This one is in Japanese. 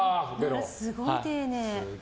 すごい丁寧。